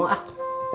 udah sang kamu ah